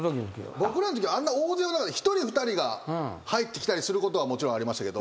僕らのときはあんな大勢１人２人が入ってきたりすることはありましたけど。